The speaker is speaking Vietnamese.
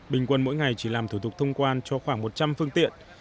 bình quân mỗi ngày chỉ làm thủ tục thông quan cho khoảng một trăm linh phương tiện